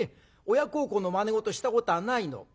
親孝行のまね事をしたことはないの。